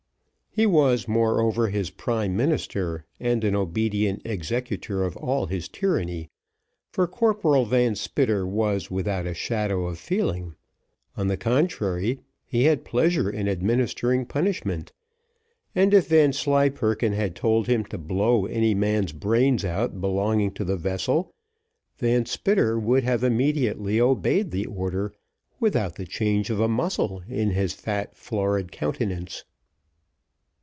He was, moreover, his prime minister, and an obedient executor of all his tyranny, for Corporal Van Spitter was without a shadow of feeling on the contrary, he had pleasure in administering punishment; and if Vanslyperken had told him to blow any man's brains out belonging to the vessel, Van Spitter would have immediately obeyed the order without the change of a muscle in his fat, florid countenance.